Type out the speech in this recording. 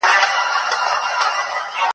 نوي غوټۍ به له منګولو د ملیاره څارې